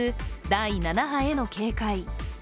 第７波への警戒。